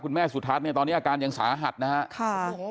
คุณแม่สุทัศน์ตอนนี้อาการยังสาหัสนะครับ